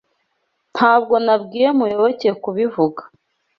Ntabwo nabwiye Muyoboke kubivuga.